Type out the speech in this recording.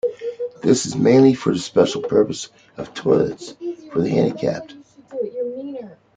This is mainly for the special purpose of toilets for the handicapped.